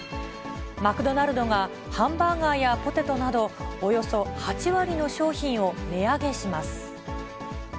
マクドナルドが、ハンバーガーやポテトなど、およそ８割の商品を値上げします。